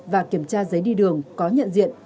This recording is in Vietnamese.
và kiểm tra giấy đi đường có nhận diện